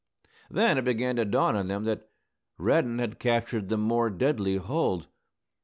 Then it began to dawn on them that Reddin had captured the more deadly hold.